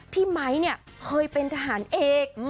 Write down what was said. พี่ไมค์เขาเคยเป็นทหารเอก